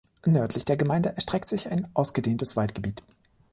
Nördlich der Gemeinde erstreckt sich ein ausgedehntes Waldgebiet.